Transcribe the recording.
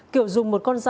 kiểu dùng một con lửa